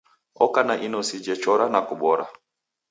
Oka na inosi jechora na kubora.